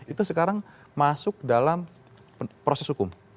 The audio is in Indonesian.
itu sekarang masuk dalam proses hukum